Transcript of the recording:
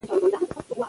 د ملالۍ مړی به ښخېږي.